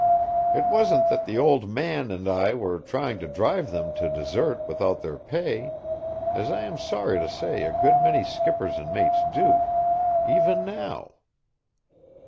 It wasn't that the old man and I were trying to drive them to desert without their pay, as I am sorry to say a good many skippers and mates do, even now.